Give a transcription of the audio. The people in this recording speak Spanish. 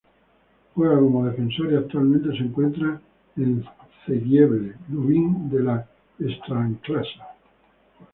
Juega como Defensor y actualmente se encuentra en Zagłębie Lubin de la Ekstraklasa.